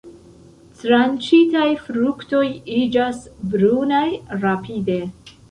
Tranĉitaj fruktoj iĝas brunaj rapide.